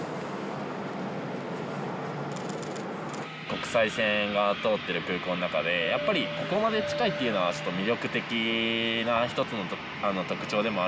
国際線が通ってる空港の中でやっぱりここまで近いというのは魅力的な一つの特徴でもあると思いますし。